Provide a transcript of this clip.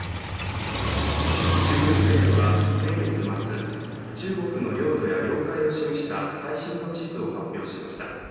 中国政府は先月末、中国の領土や領海を示した最新の地図を発表しました。